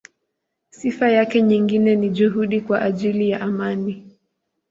Sifa yake nyingine ni juhudi kwa ajili ya amani.